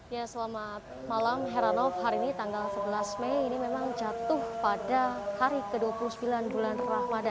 ya selamat malam heranov hari ini tanggal sebelas mei ini memang jatuh pada hari ke dua puluh sembilan bulan ramadan